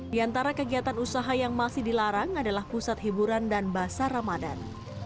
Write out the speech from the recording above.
di antara kegiatan usaha yang masih dilarang adalah pusat hiburan dan basah ramadan